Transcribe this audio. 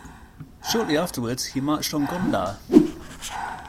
Shortly afterwards he marched on Gondar.